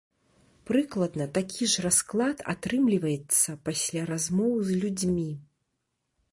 Прыкладна такі ж расклад атрымліваецца пасля размоў з людзьмі.